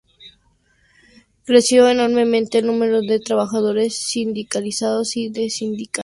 Creció enormemente el número de trabajadores sindicalizados y de sindicatos.